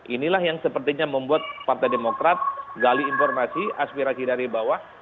inilah yang sepertinya membuat partai demokrat gali informasi aspirasi dari bawah